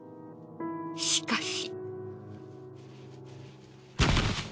しかし。